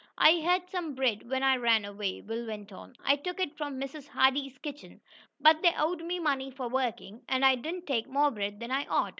"I had some bread when I ran away," Will went on. "I took it from Mrs. Hardee's kitchen, but they owed me money for working, and I didn't take more bread than I ought."